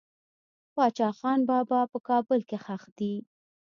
باچا خان بابا په کابل کې خښ دي.